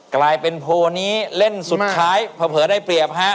กลายเป็นโพลนี้เล่นสุดท้ายเผลอได้เปรียบฮะ